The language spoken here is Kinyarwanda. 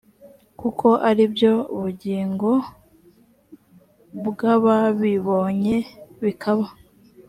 kuko ari byo bugingo bw ababibonye bikaba